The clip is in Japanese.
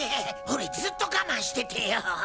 俺ずっとガマンしててよ。